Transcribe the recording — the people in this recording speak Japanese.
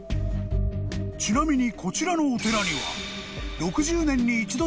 ［ちなみにこちらのお寺には］